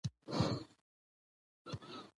په افغانستان کې د هلمند سیند منابع شته.